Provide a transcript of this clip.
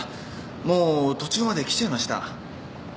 もう途中まで来ちゃいました。